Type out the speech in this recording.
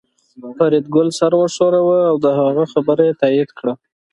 فریدګل سر وښوراوه او د هغه خبره یې تایید کړه